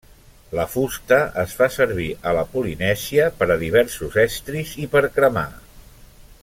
La fusta es fa servir a la Polinèsia per a diversos estris i per cremar.